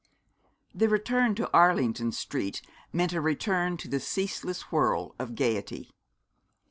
The return to Arlington Street meant a return to the ceaseless whirl of gaiety.